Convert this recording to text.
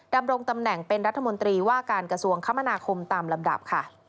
ดำรงตำแหน่งเป็นรัฐมนตรีว่าการกระทรวงคมนาคมตามลำดับค่ะ